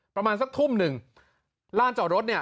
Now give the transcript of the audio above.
ประมาณสักทุ่มหนึ่งร่านจอดรถ